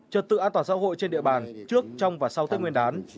trật tự an toàn xã hội trên địa bàn trước trong và sau tết nguyên đán